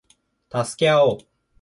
助け合おう